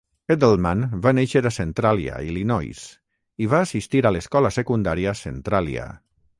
Eddleman va néixer a Centralia, Illinois, i va assistir a l'Escola Secundària Centralia.